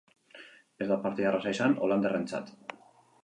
Ez da partida erraza izan holandarrentzat.